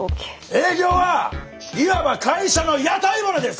営業はいわば会社の屋台骨です！